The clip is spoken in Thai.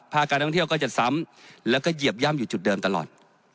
การท่องเที่ยวก็จะซ้ำแล้วก็เหยียบย่ำอยู่จุดเดิมตลอด